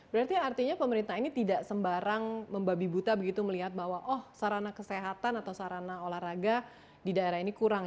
berarti artinya pemerintah ini tidak sembarang membabi buta begitu melihat bahwa oh sarana kesehatan atau sarana olahraga di daerah ini kurang